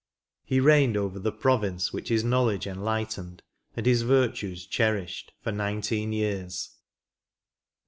He reigned over the province which his knowledge enhghtened, and his virtues cherished, for nineteen years."